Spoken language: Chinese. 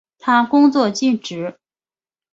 他工作尽职。